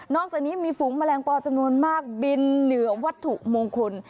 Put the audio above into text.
อกจากนี้มีฝูงแมลงปอจำนวนมากบินเหนือวัตถุมงคล